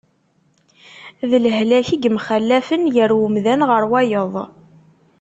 D lehlak i yemxallafen gar umdan ɣer wayeḍ.